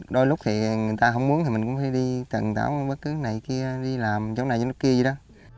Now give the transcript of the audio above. đôi lúc người ta không mướn thì mình cũng đi tầng tảo bất cứ cái này kia đi làm chỗ này chỗ kia vậy đó